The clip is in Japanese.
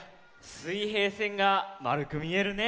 すいへいせんがまるくみえるね。